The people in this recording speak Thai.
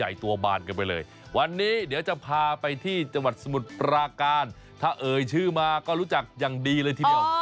ยังไม่ทันจะเอ่ยชื่อเลย